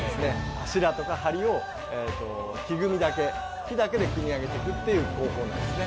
柱とか梁を木組みだけ木だけで組み上げていくっていう方法なんですね。